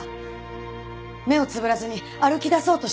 目をつぶらずに歩きだそうとしてた。